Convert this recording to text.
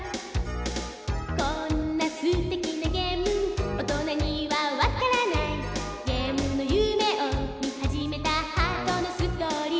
「こんなすてきなゲーム大人にはわからない」「ゲームの夢をみはじめたハートのストーリー」